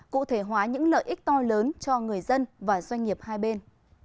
cụ thể hóa những lợi ích to lớn cho người dân và doanh nghiệp hai bên